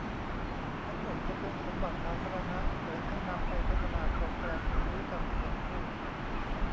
ทั้งหมดจะเป็นสมบัติสาธารณะ เปิดให้นำไปพัฒนาโปรแกรมรู้จำเสียงพูด